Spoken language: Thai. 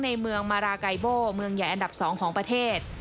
ในเมืองมาราไกโบเมืองใหญ่อันดับ๒ของประเทศ